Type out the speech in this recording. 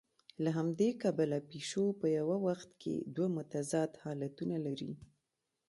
له همدې کبله پیشو په یوه وخت کې دوه متضاد حالتونه لري.